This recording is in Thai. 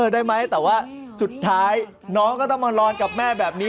ได้ไหมแต่ว่าสุดท้ายน้องก็ต้องมานอนกับแม่แบบนี้